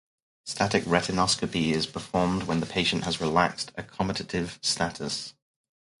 Static retinoscopy is performed when the patient has relaxed accommodative status.